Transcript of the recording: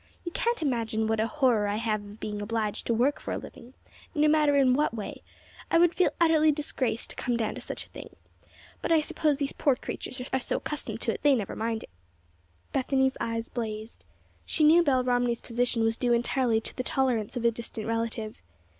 You can't imagine what a horror I have of being obliged to work for a living, no matter in what way. I would feel utterly disgraced to come down to such a thing; but I suppose these poor creatures are so accustomed to it they never mind it." Bethany's eyes blazed. She knew Belle Romney's position was due entirely to the tolerance of a distant relative.